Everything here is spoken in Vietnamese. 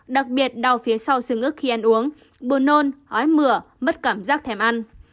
đặc biệt đau phía sau xương ức khi ăn uống buồn nôn hói mửa mất cảm giác thèm ăn